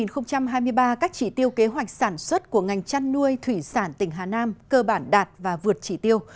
năm hai nghìn hai mươi ba các chỉ tiêu kế hoạch sản xuất của ngành chăn nuôi thủy sản tỉnh hà nam cơ bản đạt và vượt chỉ tiêu